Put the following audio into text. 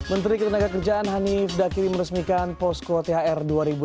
menteri ketenagakerjaan hanif dakiri meresmikan posko thr dua ribu delapan belas